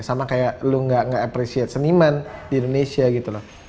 sama kayak lu gak nge appreciate seniman di indonesia gitu loh